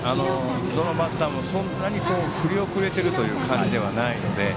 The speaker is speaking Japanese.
どのバッターもそんなに振り遅れている感じではないので。